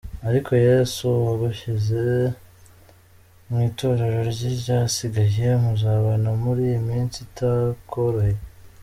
Ariko, Yesu wagushyize, mwitorero rye ryasigaye, Muzabana muriyiminsi itakoroheye.